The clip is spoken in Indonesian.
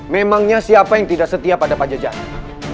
memangnya siapa yang tidak setia pada pajajaran